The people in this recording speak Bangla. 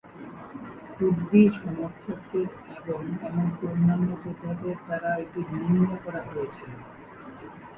কুর্দি সমর্থকদের এবং এমনকি অন্যান্য যোদ্ধাদের দ্বারা এটি নিন্দা করা হয়েছিল।